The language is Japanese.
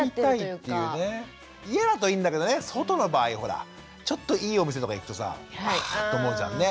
家だといいんだけどね外の場合ほらちょっといいお店とか行くとさハァって思うじゃん。ね？